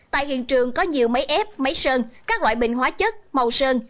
tại hiện trường có nhiều máy ép máy sơn các loại bình hóa chất màu sơn